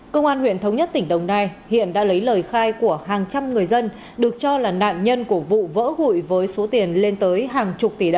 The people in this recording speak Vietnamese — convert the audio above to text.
công an huyện thống nhất tỉnh đồng nai hiện đã lấy lời khai của hàng trăm người dân được cho là nạn nhân của vụ vỡ gụi với số tiền bán